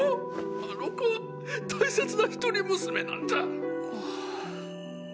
あの娘は大切な一人娘なんだッ。